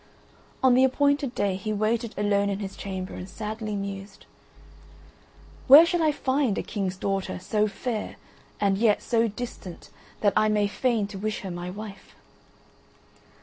On the appointed day he waited alone in his chamber and sadly mused: "Where shall I find a king's daughter so fair and yet so distant that I may feign to wish her my wife?"